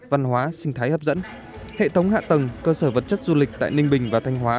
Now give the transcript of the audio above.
văn hóa sinh thái hấp dẫn hệ thống hạ tầng cơ sở vật chất du lịch tại ninh bình và thanh hóa